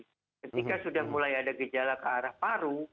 ketika sudah mulai ada gejala ke arah paru